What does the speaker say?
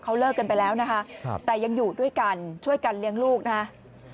เขาเลิกกันไปแล้วนะคะแต่ยังอยู่ด้วยกันช่วยกันเลี้ยงลูกนะครับ